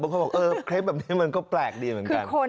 เขาบอกเออคลิปแบบนี้มันก็แปลกดีเหมือนกัน